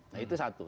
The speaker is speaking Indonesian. nah itu satu